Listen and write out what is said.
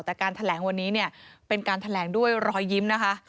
แต่การแถลงวันนี้เนี่ยเป็นการแถลงด้วยรอยยิ้มนะคะ